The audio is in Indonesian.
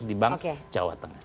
dibanding jawa tengah